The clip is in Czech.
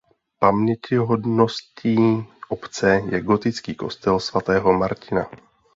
Pamětihodností obce je gotický kostel svatého Martina.